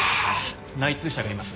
内通者がいます。